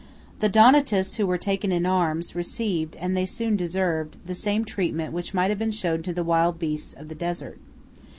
The Donatists who were taken in arms, received, and they soon deserved, the same treatment which might have been shown to the wild beasts of the desert.